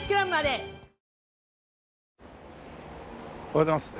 おはようございます。